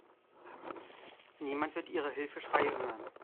Niemand wird Ihre Hilfeschreie hören.